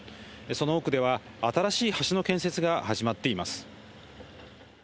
その奥では、新しい橋の建設が始まっています。